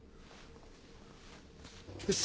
よし。